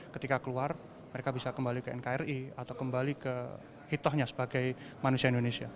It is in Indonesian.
ketika keluar mereka bisa kembali ke nkri atau kembali ke hitohnya sebagai manusia indonesia